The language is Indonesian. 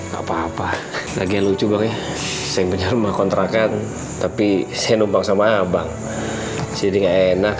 gak apa apa lagi yang lucu bang ya saya punya rumah kontrakan tapi saya numpang sama abang jadi enggak enak